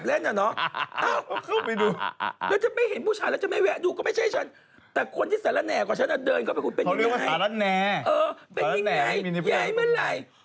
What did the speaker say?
แต่วันนั้นบุ๊ดดำเข้าไปในยิมของนางนะ